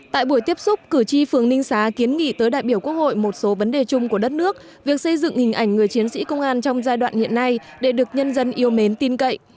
tại buổi tiếp xúc cử tri phường ninh xá kiến nghị tới đại biểu quốc hội một số vấn đề chung của đất nước việc xây dựng hình ảnh người chiến sĩ công an trong giai đoạn hiện nay để được nhân dân yêu mến tin cậy